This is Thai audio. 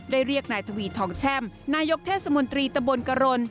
เรียกนายทวีทองแช่มนายกเทศมนตรีตะบนกรณ